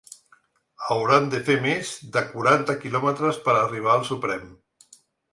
Hauran de fer més de quaranta quilòmetres per a arribar al Suprem.